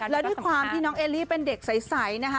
แล้วด้วยความที่น้องเอลลี่เป็นเด็กใสนะคะ